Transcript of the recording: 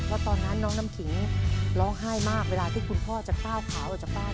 เพราะตอนนั้นน้องน้ำขิงร้องไห้มากเวลาที่คุณพ่อจะก้าวขาออกจากบ้าน